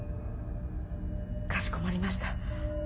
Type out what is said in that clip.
かしこまりました。